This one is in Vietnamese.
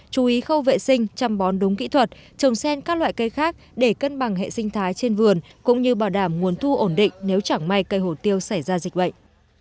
chú ý khâu vệ sinh chăm bón đúng kỹ thuật trồng sen các loại cây khác để cân bằng hệ sinh thái trên vườn cũng như bảo đảm nguồn thu ổn định nếu chẳng may cây hổ tiêu xảy ra dịch bệnh